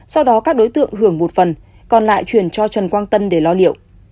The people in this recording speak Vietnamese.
sau đó các đối tượng hưởng một phần còn lại chuyển cho trần quang tân để lo liệu